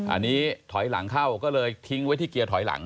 อันนี้ถอยหลังเข้าก็เลยทิ้งไว้ที่เกียร์ถอยหลัง